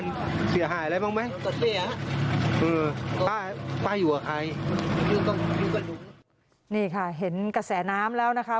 นี่ค่ะเห็นกระแสน้ำแล้วนะคะ